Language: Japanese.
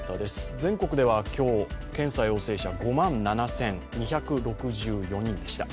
全国では今日、検査陽性者５万７２６４人でした。